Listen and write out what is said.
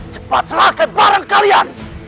cepat serahkan barang kalian